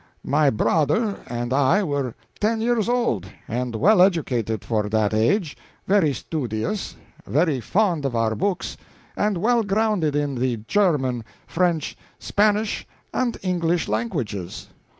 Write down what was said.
My brother and I were ten years old, and well educated for that age, very studious, very fond of our books, and well grounded in the German, French, Spanish, and English languages.